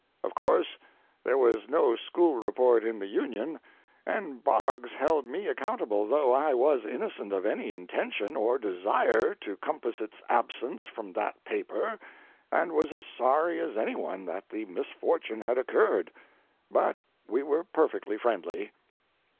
Of course there was no school report in the Union, and Boggs held me accountable, though I was innocent of any intention or desire to compass its absence from that paper, and was as sorry as any one that the misfortune had occurred. But we were perfectly friendly.